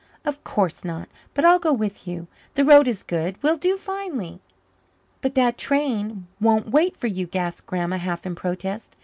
"Of course not. But I'll go with you. The road is good we'll do finely." "But that train won't wait for you," gasped Grandma, half in protest.